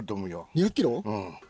２００キロ？